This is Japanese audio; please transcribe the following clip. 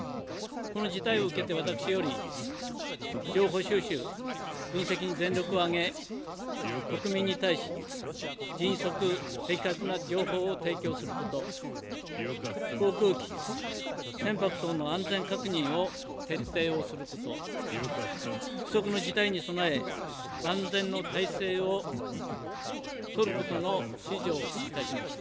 この事態を受けて私より情報収集・分析に全力を挙げ、国民に対し、迅速・的確な情報を提供すること、航空機、船舶等の安全確認を徹底をすること、不測の事態に備え万全の態勢を取ることの指示をいたしました。